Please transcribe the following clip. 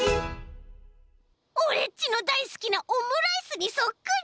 オレっちのだいすきなオムライスにそっくり！